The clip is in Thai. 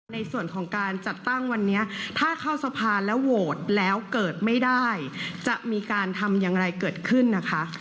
ในส่วนของการจัดตั้งวันนี้ถ้าเข้าสะพานแล้วโหวตแล้วเกิดไม่ได้จะมีการทำอย่างไรเกิดขึ้นนะคะ